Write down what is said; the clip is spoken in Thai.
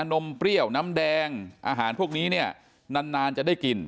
นมเปรี้ยวน้ำแดงอาหารพวกนี้เนี่ยนานจะได้กิน